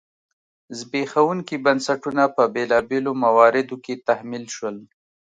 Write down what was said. زبېښونکي بنسټونه په بېلابېلو مواردو کې تحمیل شول.